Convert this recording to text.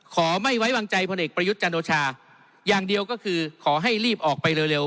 ไม่ไว้วางใจพลเอกประยุทธ์จันโอชาอย่างเดียวก็คือขอให้รีบออกไปเร็ว